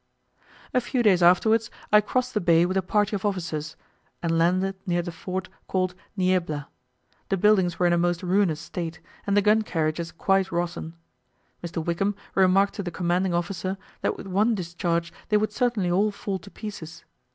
A few days afterwards I crossed the bay with a party of officers, and landed near the fort called Niebla. The buildings were in a most ruinous state, and the gun carriages quite rotten. Mr. Wickham remarked to the commanding officer, that with one discharge they would certainly all fall to pieces.